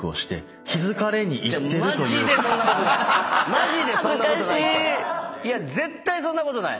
マジでそんなことない！